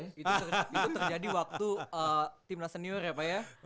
itu terjadi waktu timnas senior ya pak ya